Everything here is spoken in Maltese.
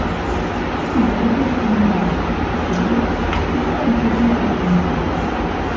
Din hija idea seminali, idea li tefgħet żerriegħa qawwija.